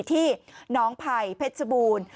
ที่น้องไผ่เพชรชบูรณ์